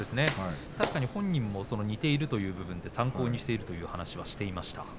確かに本人も似ているという部分で参考にしているという話をしていました。